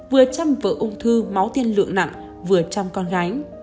vừa chăm vừa ung thư máu tiên lượng nặng vừa chăm con gái